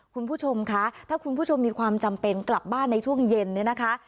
คุณผู้ชมคะถ้าคุณผู้ชมมีความจำเป็นกลับบ้านในช่วงเย็นเนี่ยนะคะ